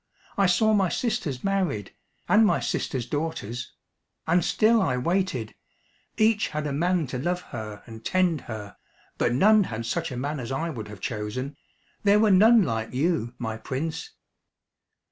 I saw my sisters married, and my sisters' daughters; and still I waited. Each had a man to love her and tend her, but none had such a man as I would have chosen. There were none like you, my Prince."